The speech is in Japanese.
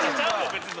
別に。